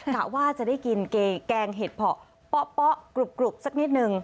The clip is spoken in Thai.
กะว่าจะได้กินแกงเห็ดเพาะเป๊ะกรุบสักนิดนึง